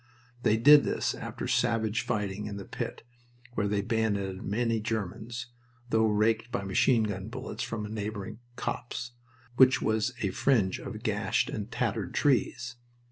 They did this after savage fighting in the pit, where they bayoneted many Germans, though raked by machine gun bullets from a neighboring copse, which was a fringe of gashed and tattered trees.